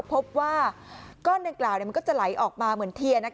พบว่าก้อนดังกล่าวมันก็จะไหลออกมาเหมือนเทียน